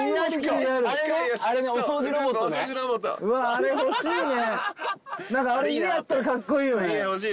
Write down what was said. あれ欲しいね！